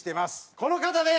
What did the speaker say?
この方です！